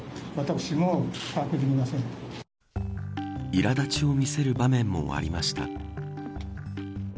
いら立ちを見せる場面もありました。